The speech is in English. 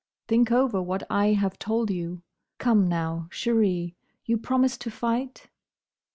Think over what I have told you. Come, now, chérie, you promise to fight?"